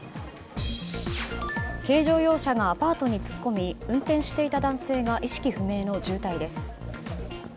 軽乗用車がアパートに突っ込み運転していた男性が意識不明の重体です。